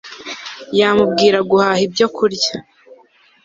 yamubwira guhaha ibyo kurya